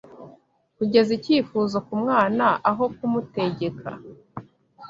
kugeza icyifuzo ku mwana aho kumutegeka;